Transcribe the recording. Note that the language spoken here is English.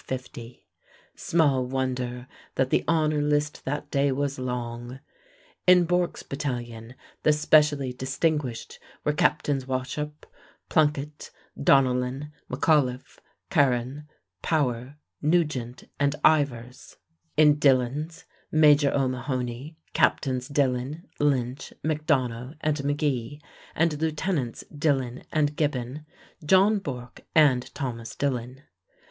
Small wonder that the honor list that day was long. In Bourke's battalion the specially distinguished were Captains Wauchop, Plunkett, Donnellan, MacAuliffe, Carrin, Power, Nugent, and Ivers; in Dillon's, Major O'Mahony, Captains Dillon, Lynch, MacDonough, and Magee, and Lieutenants Dillon and Gibbon, John Bourke and Thomas Dillon.